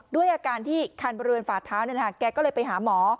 ด้วยอาการที่คันบริเวณฝาเท้าแกก็เลยไปหาหมอ